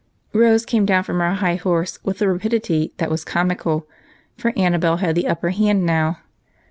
Rose came down from her high horse with a rapidity that was comical, for Annabel had the upper hand now.